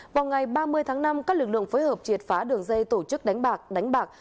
vào ngày ba mươi tháng năm các lực lượng phối hợp triệt phá đường dây tổ chức đánh bạc